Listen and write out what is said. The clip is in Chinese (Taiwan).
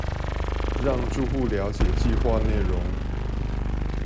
讓住戶瞭解計畫內容